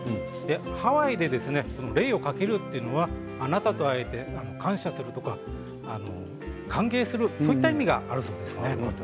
ハワイでレイをかけるというのはあなたと会えて感謝をするとか歓迎する、そういった意味があるそうです。